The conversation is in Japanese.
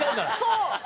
そう！